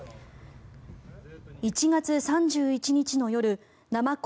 １月３１日の夜ナマコ